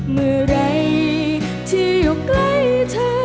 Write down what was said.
เมื่อไหร่ที่อยู่ใกล้เธอ